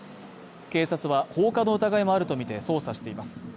警察は放火の疑いもあるとみて捜査しています